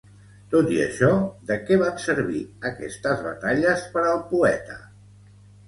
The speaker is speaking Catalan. Tot i això, de què van servir aquestes batalles per al poeta?